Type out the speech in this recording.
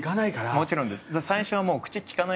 もちろんです。